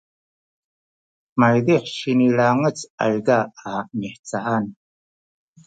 maydih sinilangec ayza a mihcaan